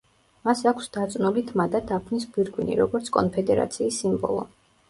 მას აქვს დაწნული თმა და დაფნის გვირგვინი როგორც კონფედერაციის სიმბოლო.